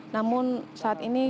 namun saat ini